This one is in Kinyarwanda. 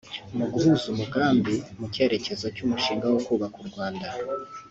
Mu guhuza umugambi mu cyerekezo cy’umushinga wo kubaka u Rwanda